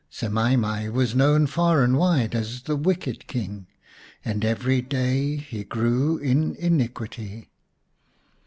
Semai mai was known far and wide as the " Wicked King," and every day he grew in iniquity.